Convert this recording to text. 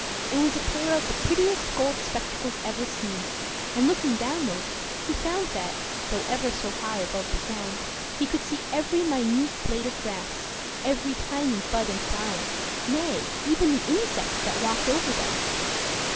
It was a pair of the prettiest gold spectacles ever seen; and looking downward, he found that, though ever so high above the ground, he could see every minute blade of grass, every tiny bud and flower nay, even the insects that walked over them.